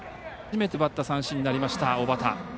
初めて奪った三振になりました小畠。